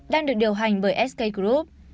đang được điều hành bởi sk group